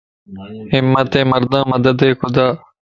ھمت مردان مددِ خدا